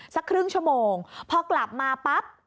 สักครึ่งชั่วโมงพอกลับมาปั๊บ